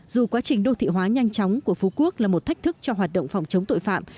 dù quá trình đô thị hóa nhanh chóng của phú quốc là một thách thức cho hoạt động phòng chống tội phạm